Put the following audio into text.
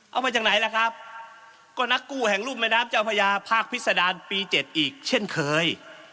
เอามาจากไหนล่ะครับก็นักกู้แห่งรุ่มแม่น้ำเจ้าพญาภาคพิษดารปี๗อีกเช่นเคย